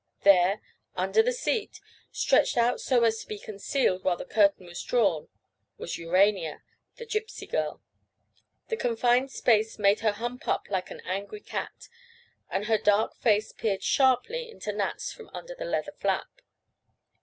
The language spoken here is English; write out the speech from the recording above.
There, under the seat, stretched out so as to be concealed while the curtain was down, was Urania, the Gypsy girl! The confined space made her hump up like an angry cat, and her dark face peered sharply into Nat's from under the leather flap.